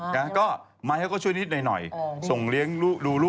แล้วเขาก็ไม่ได้เรียกร้องอะไร